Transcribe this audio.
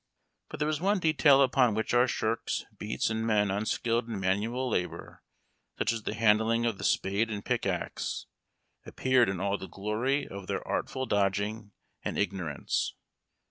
But there was one detail upon which our shirks, beats, and men unskilled in manual labor, such as the handling of the spade and pickaxe, appeared in all the glory of their artful dodging and ignorance.